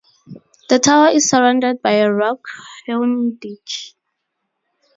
The tower is surrounded by a rock-hewn ditch.